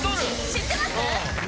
知ってます？